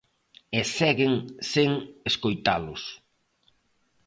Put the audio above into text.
E seguen sen escoitalos.